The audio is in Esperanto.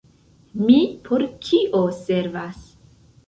Mi por kio servas?